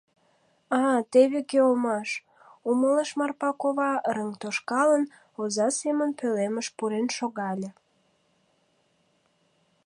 «А, теве кӧ улмаш», — умылыш Марпа кува, рыҥ тошкалын, оза семын пӧлемыш пурен шогале.